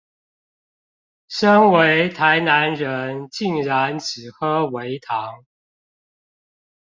身為台南人竟然只喝微糖